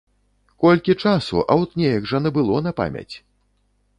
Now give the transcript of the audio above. Колькі часу, а от неяк жа набыло на памяць.